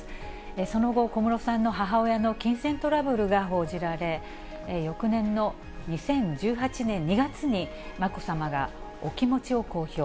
その後、小室さんの母親の金銭トラブルが報じられ、翌年の２０１８年２月に、まこさまがお気持ちを公表。